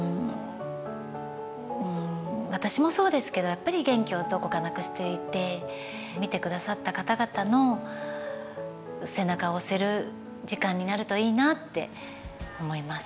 私もそうですけどやっぱり元気をどこかなくしていて見てくださった方々の背中を押せる時間になるといいなって思います。